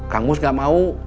kang mus gak mau